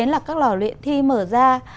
là các lò luyện thi mở ra